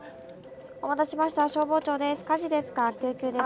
お待たせしました消防庁です。